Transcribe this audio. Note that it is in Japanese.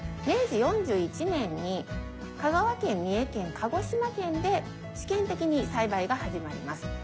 明治４１年に香川県三重県鹿児島県で試験的に栽培が始まります。